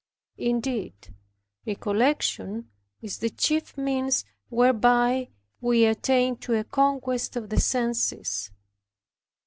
Indeed, recollection is the chief means whereby we attain to a conquest of the senses.